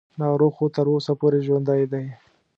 ناروغ خو تر اوسه پورې ژوندی دی.